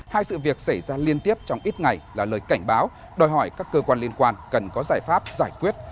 hai sự việc xảy ra liên tiếp trong ít ngày là lời cảnh báo đòi hỏi các cơ quan liên quan cần có giải pháp giải quyết